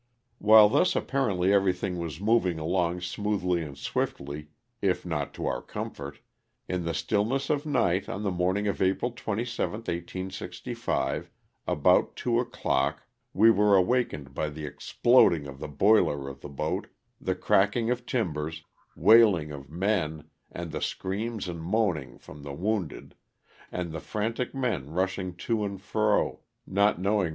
While thus apparently everything was moving along smoothly and safely, if not to our comfort, in the still ness of night on the morning of April 27, 1865, about two o'clock, we were awakened by the exploding of the boiler of the boat, the cracking of timbers, wailing of men and the screams and moaning from the wounded, and the frantic men rushing to and fro, not knowing 58 LOSS OF THE SULTANA.